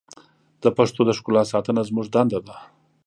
د پښتو د ښکلا ساتنه زموږ دنده ده.